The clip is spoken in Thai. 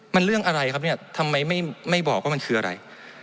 มันเรื่องอะไรครับเนี่ยทำไมไม่บอกว่ามันคืออะไร